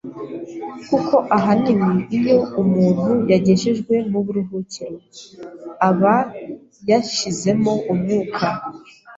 kuko ahanini iyo umuntu yagejejwe mu buruhukiro aba yashizemo umwuka